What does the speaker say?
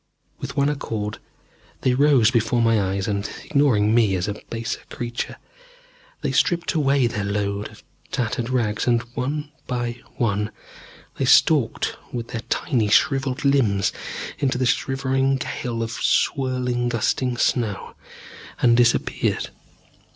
With one accord they rose before my eyes and, ignoring me as a baser creature, they stripped away their load of tattered rags and, one by one, they stalked with their tiny shrivelled limbs into the shivering gale of swirling, gusting snow, and disappeared.